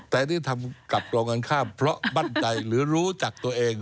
แต่ที่ทำกับโรงงานข้ามเพราะมั่นใจหรือรู้จักตัวเอง